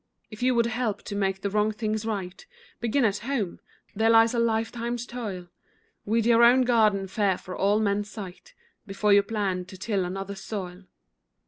If you would help to make the wrong things right, Begin at home: there lies a lifetime's toil. Weed your own garden fair for all men's sight, Before you plan to till another's soil.